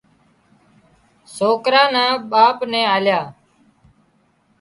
سوڪرا نا ٻاپ نين آليا